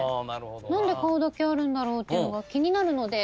何で顔だけあるんだろうっていうのが気になるので。